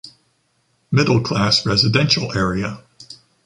Middle class residential area.